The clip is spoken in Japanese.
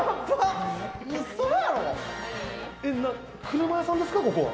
車屋さんですか？